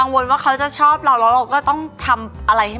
พี่อายกับพี่อ๋อมไม่ได้ครับ